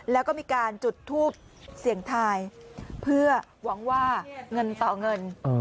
แล้วก็มีการจุดทูปเสี่ยงทายเพื่อหวังว่าเงินต่อเงิน